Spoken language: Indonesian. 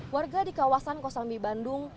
warga di kawasan kosambi bandung